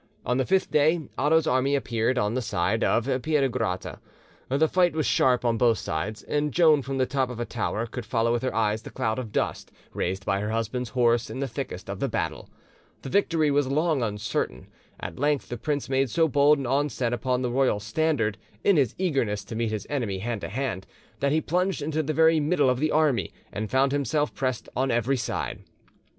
On the fifth day Otho's army appeared on the side of Piedigrotta. The fight was sharp on both sides, and Joan from the top of a tower could follow with her eyes the cloud of dust raised by her husband's horse in the thickest of the battle. The victory was long uncertain: at length the prince made so bold an onset upon the royal standard, in his eagerness to meet his enemy hand to hand, that he plunged into the very middle of the army, and found himself pressed on every side.